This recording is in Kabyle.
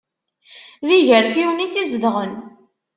D igarfiwen i tt-izedɣen.